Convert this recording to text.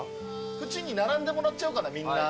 縁に並んでもらっちゃおうかなみんな。